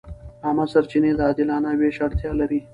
عامه سرچینې د عادلانه وېش اړتیا لري.